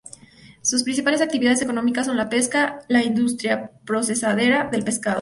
Sus principales actividades económicas son la pesca y la industria procesadora del pescado.